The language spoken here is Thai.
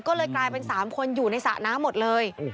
ก็เลยกลายเป็น๓คนอยู่ในสระน้ำหมดเลย